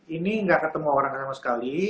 ini nggak ketemu orang sama sekali